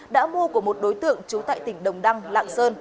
đã mua của một đối tượng trú tại tỉnh đồng đăng lạng sơn